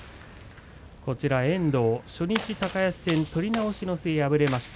遠藤、初日、高安戦取り直しの末、敗れました。